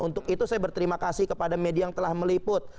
untuk itu saya berterima kasih kepada media yang telah meliput